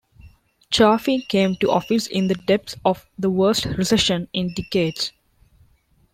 Chafee came to office in the depths of the worst recession in decades.